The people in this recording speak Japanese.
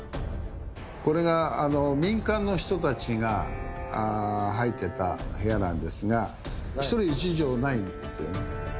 これが民間の人たちが入ってた部屋なんですが１人１畳ないんですよね